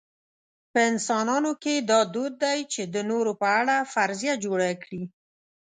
په انسانانو کې دا دود دی چې د نورو په اړه فرضیه جوړه کړي.